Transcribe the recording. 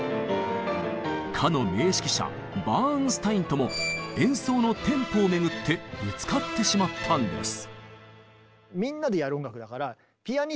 かの名指揮者バーンスタインとも演奏のテンポをめぐってぶつかってしまったんです。